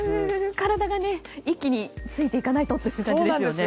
体が一気についていかないとという感じですね。